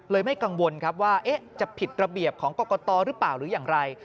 ไม่กังวลครับว่าจะผิดระเบียบของกรกตหรือเปล่าหรืออย่างไร